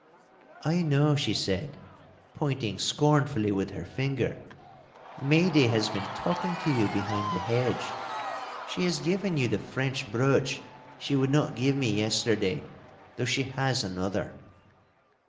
'I know,' she said, pointing scornfully with her finger, 'Maidie has been talking to you behind the hedge. She has given you the French brooch she would not give me yesterday, though she has another.